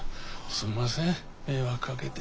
すんません迷惑かけて。